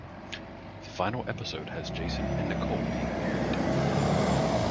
The final episode has Jason and Nicole being married.